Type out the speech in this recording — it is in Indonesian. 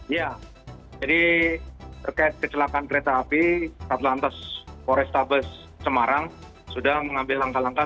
ya jadi terkait kecelakaan kereta api tata lantas forestabes semarang sudah mengambil langkah langkah